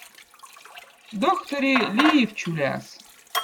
dohtõri Liivčüläz